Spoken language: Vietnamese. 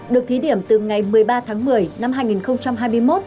được thí điểm từ ngày một mươi ba tháng một mươi năm hai nghìn hai mươi một